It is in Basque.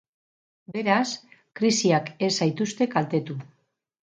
Beraz, krisiak ez zaituzte kaltetu.